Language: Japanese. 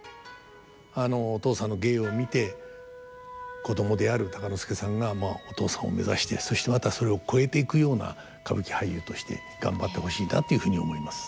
あのお父さんの芸を見て子供である鷹之資さんがお父さんを目指してそしてまたそれを超えていくような歌舞伎俳優として頑張ってほしいなっていうふうに思います。